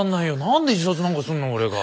何で自殺なんかすんの俺が。